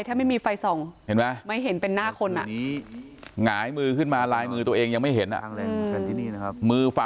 ถ้าไม่มีไฟส่องเห็นไหมไม่เห็นเป็นหน้าคนอ่ะหงายมือขึ้นมาลายมือตัวเองยังไม่เห็นอ่ะ